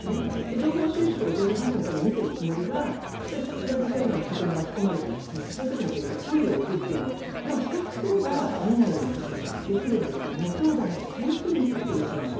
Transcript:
情報収集、情報発信のために見ているつもりが知らず知らずのうちに巻き込まれてしまって距離を置くとか自覚していれば見ないようにするとかできるんですけどそうじゃないと本当に見続けてしまって。